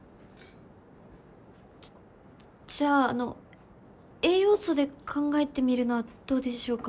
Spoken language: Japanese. じゃああの栄養素で考えてみるのはどうでしょうか？